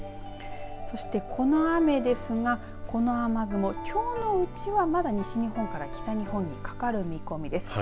そしてこの雨ですがこの雨雲きょうのうちはまだ西日本から北日本にかかる見込みです。